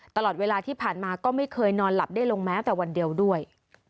ตลอดเวลาที่ผ่านมาก็ไม่เคยนอนหลับได้ลงแม้แต่วันเดียวด้วย